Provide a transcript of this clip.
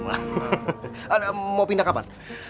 mau pindah kapan